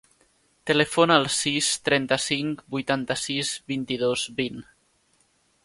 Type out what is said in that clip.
Telefona al sis, trenta-cinc, vuitanta-sis, vint-i-dos, vint.